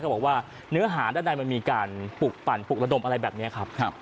บอกว่าเนื้อหาด้านในมันมีการปลุกปั่นปลุกระดมอะไรแบบนี้ครับ